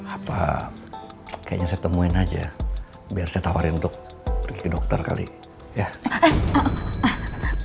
apa kayaknya saya temuin aja biar saya tawarin untuk pergi ke dokter kali ya